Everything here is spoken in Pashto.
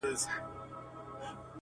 رسنۍ د سیاست مهمه برخه ده